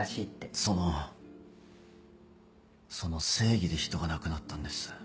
そのその正義で人が亡くなったんです。